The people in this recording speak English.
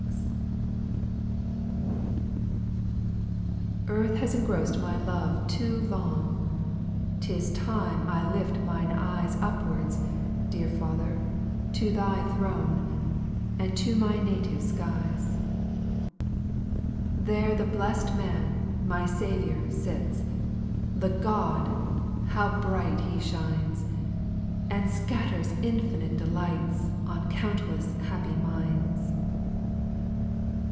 "I7ARTH has engross'd my love too long, Hi 'T is time I lift mine eyes Upwards, dear Father, to Thy throne, And to my native skies. 2. There the blest man, my Saviour sits, The Gk)d 1 how bright He shines I And scatters infinite delights On countless happy minds.